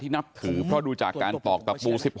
ที่นับถือเพราะดูจากการปอกประปู